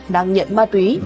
đang nhận ma túy